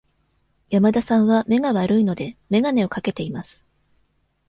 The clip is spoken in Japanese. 山田さんは目が悪いので、眼鏡をかけています。